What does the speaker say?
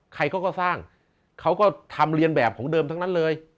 ใครเขาก็สร้างเขาก็ทำเรียนแบบของเดิมทั้งนั้นเลย